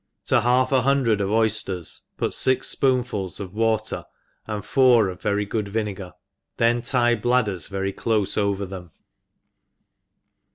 To half a hundred of oyfters put fix fpoonfuls of water and four of very good vinegar, then tic bladders very clofe over them.